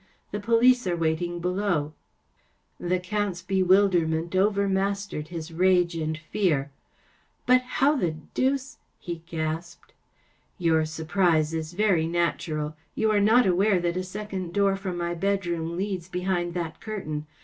The police are waiting below.‚ÄĚ The Count’s bewilderment overmastered his rage and fear. “ But how the deuce ? ‚ÄĚ he gasped. “ Your surprise is very natural. You are not aware that a second door from my bed¬ room leads behind that curtain.